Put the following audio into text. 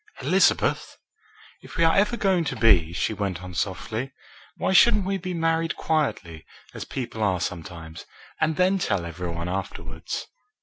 "Elizabeth!" "If we are ever going to be," she went on softly, "why shouldn't we be married quietly, as people are sometimes, and then tell every one afterwards?"